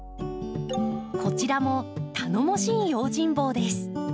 こちらも頼もしい用心棒です。